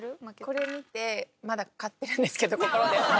これ見てまだ勝ってるんですけど心で。